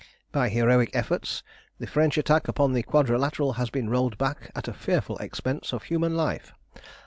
"By heroic efforts the French attack upon the Quadrilateral has been rolled back at a fearful expense of human life.